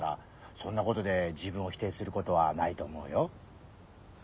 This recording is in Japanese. そんなことで自分を否定することはないと思うよ。